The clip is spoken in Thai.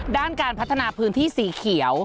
ด้านการพัฒนาพื้นที่สีเขียว